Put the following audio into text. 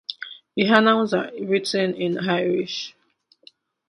The annals are written in Irish.